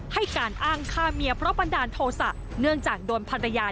ให้การอ้างฆ่าเมียเพราะบันดาลโทษะเนื่องจากโดนภรรยา